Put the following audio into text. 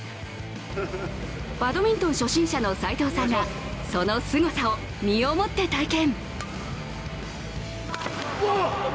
バドミントン初心者の斎藤さんが、そのすごさを身をもって体験。